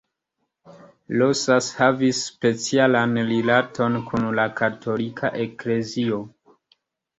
Rosas havis specialan rilaton kun la Katolika Eklezio.